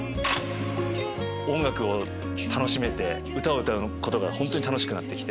音楽を楽しめて歌を歌うことが本当に楽しくなってきて。